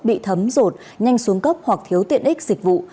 bị thấm rột nhanh xuống cấp hoặc thiếu tiện ích dịch vụ